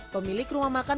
pemilik rumah makan